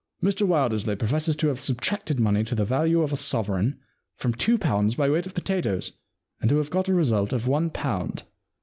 Mr Wil dersley professes to have subtracted money to the value of a sovereign from two pounds by weight of potatoes, and to have got a result of one pound.